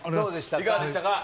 いかがでしたか。